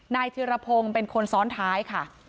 นายธิระพงเป็นคนซ้อนท้ายค่ะ